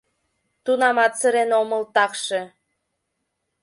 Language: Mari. Тунамат сырен омыл такше.